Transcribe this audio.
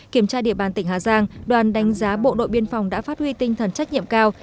kiểm tra địa bàn tỉnh hà giang đoàn đánh giá bộ đội biên phòng đã phát huy tinh thần trách nhiệm cao